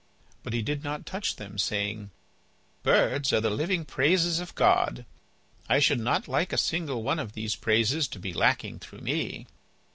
But he did not touch them, saying: "Birds are the living praises of God. I should not like a single one of these praises to be lacking through me."